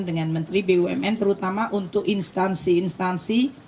dengan menteri bumn terutama untuk instansi instansi